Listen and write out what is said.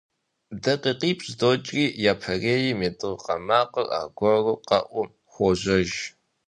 ДакъикъипщӀ докӀри, япэрейм и тӀыркъэ макъыр аргуэру къэӀуу хуожьэж.